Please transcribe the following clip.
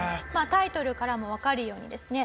タイトルからもわかるようにですね